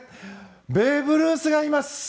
ベーブ・ルースがいます。